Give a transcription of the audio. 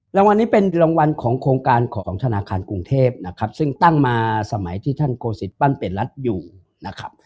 รางวัลนี้เป็นรางวัลของโครงการของธนาคารกรุงเทพนะครับซึ่งตั้งมาสมัยที่ท่านโกศิษย์ปั้นเป็นรัฐอยู่นะครับ